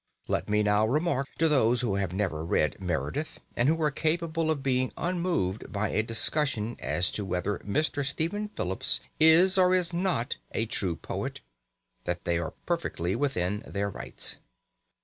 Let me now remark to those who have never read Meredith, and who are capable of being unmoved by a discussion as to whether Mr. Stephen Phillips is or is not a true poet, that they are perfectly within their rights.